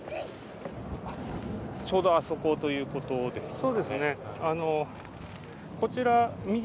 ちょうどあそこということですかね。